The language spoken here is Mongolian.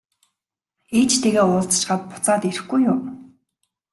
Ээжтэйгээ уулзчихаад буцаад хүрээд ирэхгүй юу?